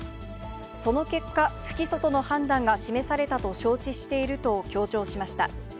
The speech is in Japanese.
その結果、不起訴との判断が示されたと承知していると強調しました。